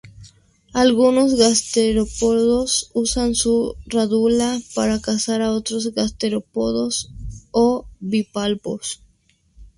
Algunos gasterópodos usan su rádula para cazar a otros gasterópodos o bivalvos.